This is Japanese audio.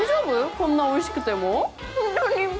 こんなおいしくても？